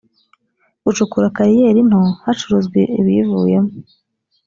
gucukura kariyeri nto hacuruzwa ibiyivuyemo